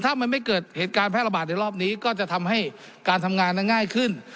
ถ้ามันไม่เกิดเหตุการณ์แพร่ระบาดในรอบนี้ก็จะทำให้การทำงานนั้นง่ายขึ้น